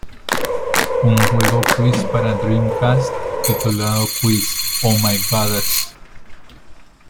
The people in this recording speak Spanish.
Un juego Quiz para Dreamcast titulado quiz: Oh My Goddess!